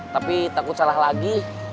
tapi takut salah lagi